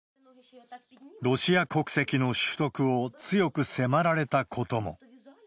ロシア国籍の取得を強く迫られたことも。